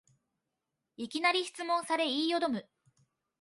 いきなり質問され言いよどむ